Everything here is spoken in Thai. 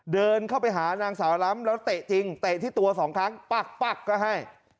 เดินเข้าไปหานางสาวล้ำแล้วเตะจริงเตะที่ตัวสองครั้งปักปักก็ให้